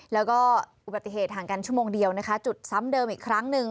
แล้วก็อุบัติเหตุห่างกันชั่วโมงเดียวนะคะจุดซ้ำเดิมอีกครั้งหนึ่ง